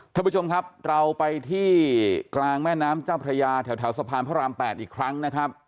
ท่านผู้ชมครับเราไปที่กลางแม่น้ำเจ้าพระยาแถวสะพานพระราม๘อีกครั้งนะครับ